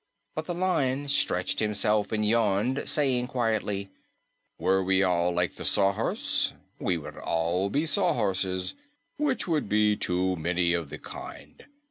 But the Lion stretched himself and yawned, saying quietly, "Were we all like the Sawhorse, we would all be Sawhorses, which would be too many of the kind.